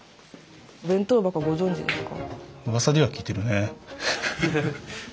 お弁当箱ご存じですか？